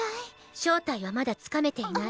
正体はまだつかめていない。